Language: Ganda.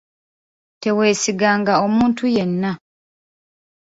Teweesiganga omuntu yenna.